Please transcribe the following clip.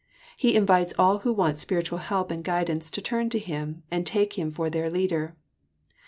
He invites all who want spiritual help and guidance to turn to Him, and take Him for their leader.